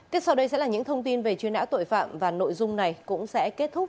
tiếp sau đây sẽ là những thông tin về truy nã tội phạm và nội dung này cũng sẽ kết thúc